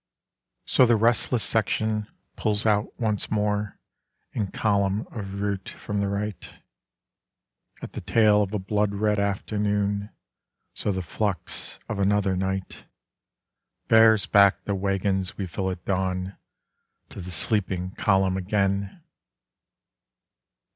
_ So the restless section pulls out once more in column of route from the right, At the tail of a blood red afternoon; so the flux of another night Bears back the wagons we fill at dawn to the sleeping column again...